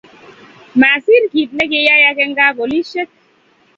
Masir kit nekiyayak en kap polishek